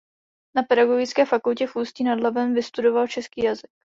Na Pedagogické fakultě v Ústí nad Labem vystudoval český jazyk.